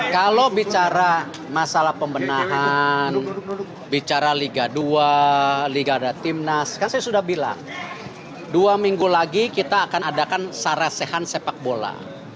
kalau bicara masalah pembenahan bicara liga dua liga timnas kan saya sudah bilang dua minggu lagi kita akan adakan sarasehan sepak bola